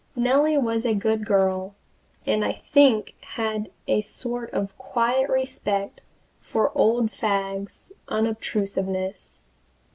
Nellie was a good girl, and I think had a sort of quiet respect for old Fagg's unobtrusiveness.